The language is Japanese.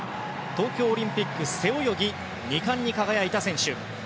東京オリンピックで背泳ぎ２冠に輝いた選手。